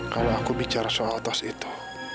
kalau aku bicara soal tas itu